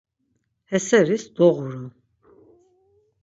He seris doğuru.